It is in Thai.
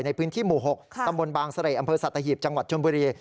ในพื้นที่หมู่๖ตำบลบางเสร่อำเภอสัตหีบจังหวัดชนบุรี